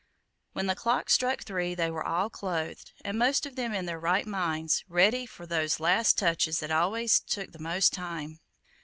When the clock struck three they were all clothed, and most of them in their right minds, ready for those last touches that always take the most time.